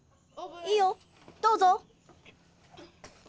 いいよどうぞ。